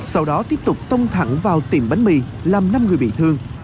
sau đó tiếp tục tông thẳng vào tiệm bánh mì làm năm người bị thương